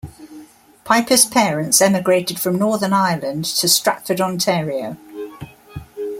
Pyper's parents emigrated from Northern Ireland to Stratford, Ontario.